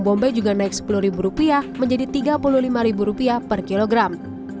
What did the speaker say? cabai merah turun sepuluh ribu menjadi tiga puluh lima ribu rupiah per kilogram